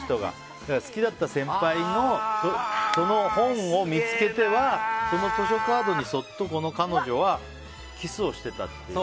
好きだった先輩の本を見つけてはその図書カードにそっと彼女はキスをしてたっていう。